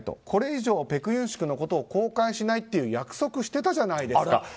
これ以上ペク・ユンシクのことを公開しないという約束してたじゃないですか。